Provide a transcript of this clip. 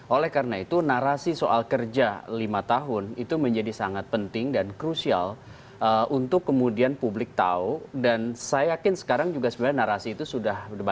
oleh karena itu narasi soal kerja lima tahun itu menjadi sangat penting dan krusial untuk kemudian publik tahu dan saya yakin sekarang juga sebenarnya narasi itu sudah berjalan